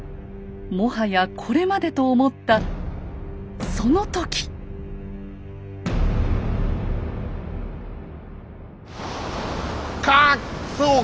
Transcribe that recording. もはやこれまでと思ったそうか！